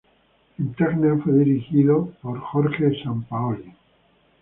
En Tacna fue dirigido por Jorge Sampaoli.